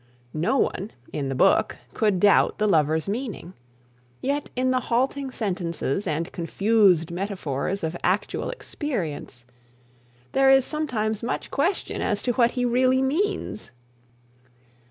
No one, in the book, could doubt the lover's meaning. Yet in the halting sentences and confused metaphors of actual experience, there is sometimes much question as to what he really means.